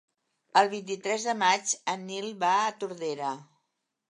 El vint-i-tres de maig en Nil va a Tordera.